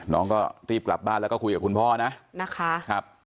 น้องก็รีบกลับบ้านแล้วก็คุยกับคุณพ่อนะ